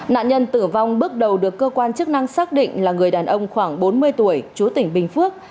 nạn nhân tử vong bước đầu được cơ quan chức năng xác định là người đàn ông khoảng bốn mươi tuổi chú tỉnh bình phước